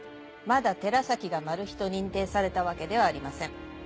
まだ寺崎がマルヒと認定されたわけではありません。